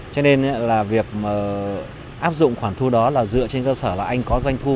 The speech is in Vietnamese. cho nên là việc áp dụng khoản thu đó là dựa trên cơ sở là anh có doanh thu